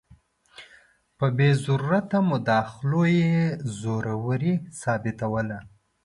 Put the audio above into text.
په بې ضرورته مداخلو یې زوروري ثابتوله.